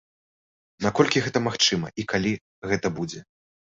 Наколькі гэта магчыма і калі гэта будзе?